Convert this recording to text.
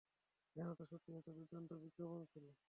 হ্যাঁ, ওটা সত্যিই একটা দুর্দান্ত বিজ্ঞাপন ছিলো।